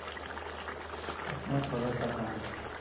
আপনার সোজা তাকান।